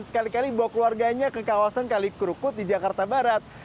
sekali kali bawa keluarganya ke kawasan kali kerukut di jakarta barat